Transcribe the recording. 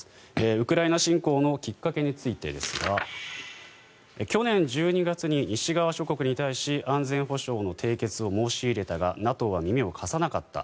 ウクライナ侵攻のきっかけについてですが去年１２月に西側諸国に対し安全保障の締結を申し入れたがＮＡＴＯは耳を貸さなかった。